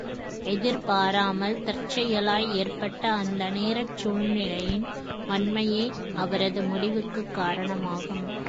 எதிர்பாராமல் தற்செயலாய் ஏற்பட்ட அந்த நேரச் சூழ்நிலையின் வன்மையே அவரது முடிவுக்குக் காரணமாகும்.